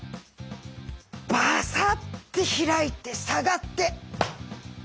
バサッて開いて下がって。